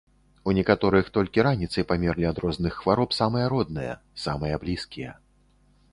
У некаторых толькі раніцай памерлі ад розных хвароб самыя родныя, самыя блізкія.